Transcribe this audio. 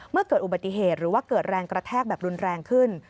เมื่อเกิดอุบัติเหตุหรือว่าเกิดแรงกระแทกแบบรุนแรงขึ้น